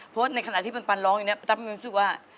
เพราะในขณะที่ปันร้องอย่างนี้ปันตั๊กมันจะรู้สึกว่า